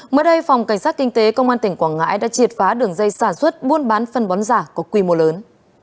mới đây phòng cảnh sát kinh tế công an tỉnh quảng ngãi đã triệt phá đường dây sản xuất buôn bán phân bón giả có quy mô lớn